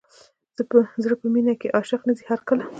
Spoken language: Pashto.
زړه په مینه کې عاشق نه ځي هر کله.